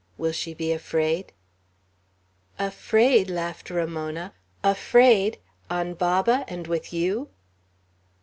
Will she be afraid?" "Afraid." laughed Ramona. "Afraid, on Baba, and with you!"